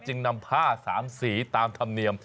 จึงนำผ้า๓สีตามธรรมเนียม